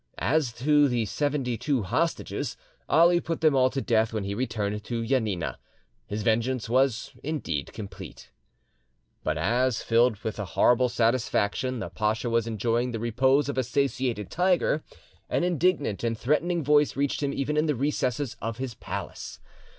As to the seventy two hostages, Ali put them all to death when he returned to Janina. His vengeance was indeed complete. But as, filled with a horrible satisfaction, the pacha was enjoying the repose of a satiated tiger, an indignant and threatening voice reached him even in the recesses of his palace.